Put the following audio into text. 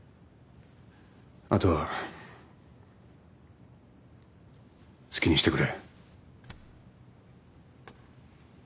後は好きにしてくれ。